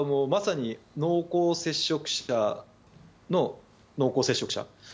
まさに濃厚接触者の濃厚接触者。